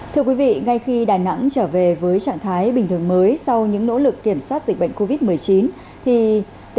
thưa quý vị ngay khi đà nẵng trở về với trạng thái bình thường mới sau những nỗ lực kiểm soát dịch bệnh covid một mươi chín